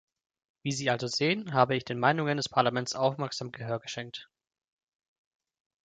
Wie Sie also sehen, habe ich den Meinungen des Parlaments aufmerksam Gehör geschenkt.